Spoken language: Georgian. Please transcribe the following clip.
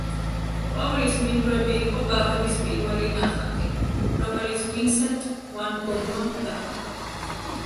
ყვავილის მინდვრები იყო ბაღების პირველი ნახატი, რომელიც ვინსენტ ვან გოგმა დახატა.